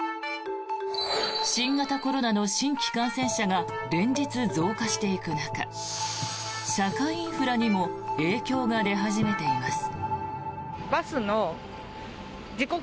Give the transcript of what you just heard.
新型コロナの新規感染者が連日増加していく中社会インフラにも影響が出始めています。